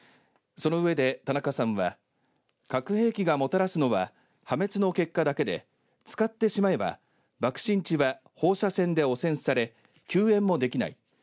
その上で田中さんは核兵器がもたらすのは破滅の結果だけで使ってしまえば、爆心地は放射線で汚染され救援もできない。